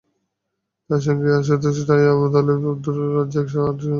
তাঁর সঙ্গী আশুতোষ রায়, আবু তালেব, আবদুর রাজ্জাকসহ আটজন গানপাগল মানুষ।